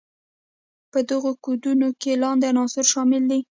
په دغو کودونو کې لاندې عناصر شامل دي.